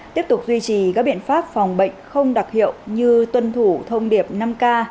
tiếp tục duy trì các biện pháp phòng bệnh không đặc hiệu như tuân thủ thông điệp năm k